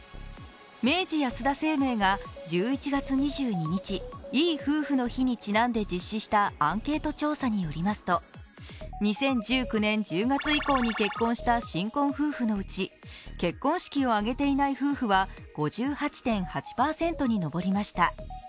明治安田生命が１１月２２日、いい夫婦の日にちなんで実施したアンケート調査によりますと２０１９年１０月以降に結婚した新婚夫婦のうち、結婚式を挙げていない夫婦は５８．８％に上りました。